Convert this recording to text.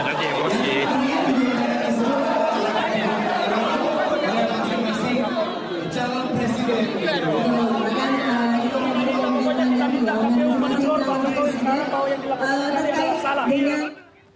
selanjutnya siapart choi okeo mengambil sehat whopping di luar lahan paku zugit datang ke livan yang rebel tadi